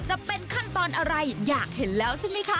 จะเป็นขั้นตอนอะไรอยากเห็นแล้วใช่ไหมคะ